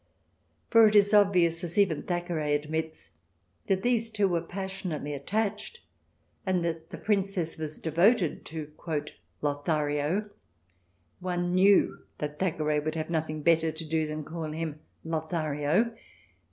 For it is obvious, as even Thackeray admits, that these two were passionately attached and that the Princess was devoted to " Lothario." (One knew that Thack eray would have had nothing better to do than to call him Lothario